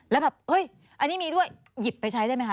แล้วแบบอันนี้มีด้วยหยิบไปใช้ได้ไหมคะ